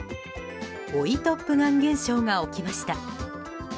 追いトップガン現象が起きました。